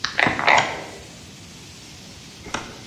Finalmente, se sorprende al encontrarse con vivo.